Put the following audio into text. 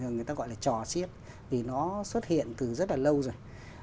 người ta gọi là trò siếc thì nó xuất hiện từ rất là lâu rồi